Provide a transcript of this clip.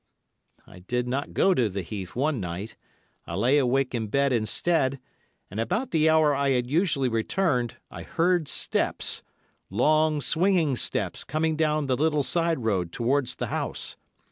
I did not go to the heath one night; I lay awake in bed instead, and about the hour I had usually returned I heard steps, long, swinging steps coming down the little side road towards the house.